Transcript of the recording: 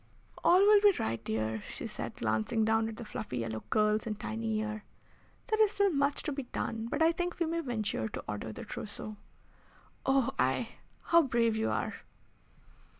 "All will be right, dear," said she, glancing down at the fluffy yellow curls and tiny ear. "There is still much to be done, but I think we may venture to order the trousseau." "Oh I how brave you are!"